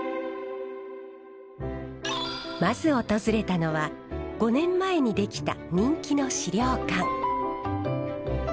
まず訪れたのは５年前に出来た人気の資料館。